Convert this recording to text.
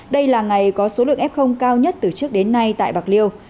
đây là ngày có số lượng f cao nhất từ trước đến nay tại bạc liêu